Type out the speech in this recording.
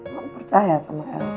gak percaya sama el